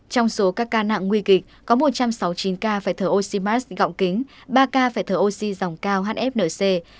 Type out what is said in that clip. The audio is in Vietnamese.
trong số các ca nặng nguy kịch có một trăm sáu mươi chín ca phải thở oxymas gạo kính ba ca phải thở oxy dòng cao hfnc